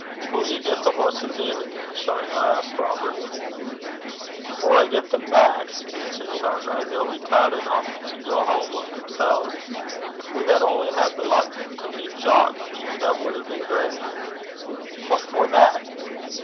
'Hoo 'ill ye get the horse (plural) in again, Shargar?' asked Robert. 'Afore I get them back,' answered Shargar, 'they'll be tired eneuch to gang hame o' themsel's. Gin we had only had the luck to meet Jock! that wad hae been gran'.' 'What for that?'